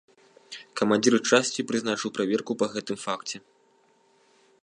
Камандзір часці прызначыў праверку па гэтым факце.